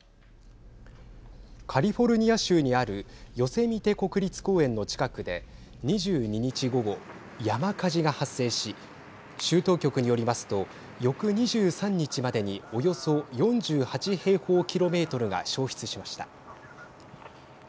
カリフォルニア州にあるヨセミテ国立公園の近くで２２日、午後山火事が発生し州当局によりますと翌２３日までにおよそ４８平方キロメートルが焼失しました。